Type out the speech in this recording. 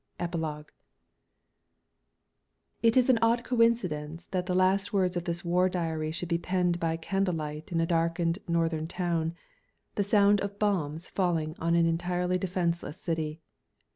EPILOGUE It is an odd coincidence that the last words of this War Diary should be penned by candlelight in a darkened northern town, to the sound of bombs falling on an entirely defenceless city.